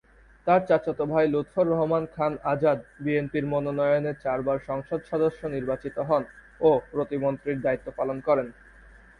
তার চাচাত ভাই লুৎফর রহমান খান আজাদ বিএনপির মনোনয়নে চারবার সংসদ সদস্য নির্বাচিত হন ও প্রতিমন্ত্রীর দায়িত্ব পালন করেন।